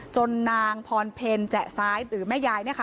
จนนางพรเพ็ญแจะซ้ายหรือแม่ยายนี่ค่ะ